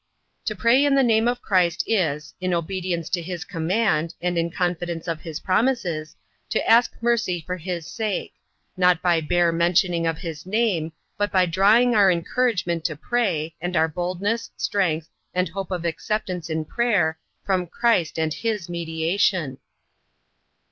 To pray in the name of Christ is, in obedience to his command, and in confidence on his promises, to ask mercy for his sake; not by bare mentioning of his name, but by drawing our encouragement to pray, and our boldness, strength, and hope of acceptance in prayer, from Christ and his mediation.